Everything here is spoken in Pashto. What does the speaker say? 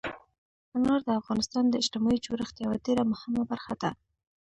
انار د افغانستان د اجتماعي جوړښت یوه ډېره مهمه برخه ده.